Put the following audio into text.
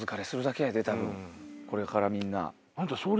これからみんな。